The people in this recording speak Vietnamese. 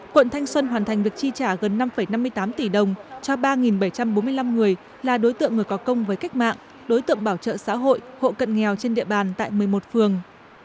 quận thanh xuân hoàn thành việc chi trả gần năm năm mươi tám tỷ đồng cho ba bảy trăm bốn mươi năm người là đối tượng người có công với cách mạng đối tượng bảo trợ xã hội hộ cận nghèo trên địa bàn tại một mươi một phường